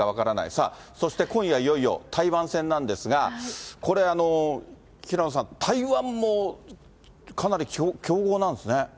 さあ、そして今夜、いよいよ台湾戦なんですが、これ、平野さん、台湾もかなり強豪なんですね。